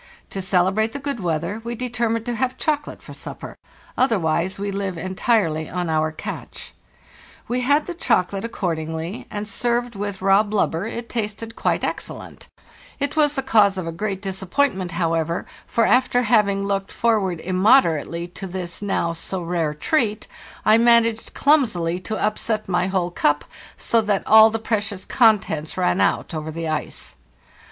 To celebrate the good weather we determined to have chocolate for supper; otherwise we live entirely on our catch. We had the chocolate ac cordingly, and served with raw blubber it tasted quite 310 PARISHES L IVORTE, excellent. It was the cause of a great disappointment, however, for after having looked forward immoderately to this, now so rare, treat, 1 managed clumsily to upset my whole cup, so that all the precious contents ran out over the ice.